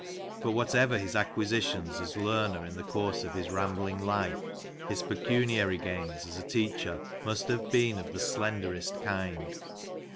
But whatever his acquisitions as learner in the course of his rambling life, his pecuniary gains as a teacher must have been of the slenderest kind.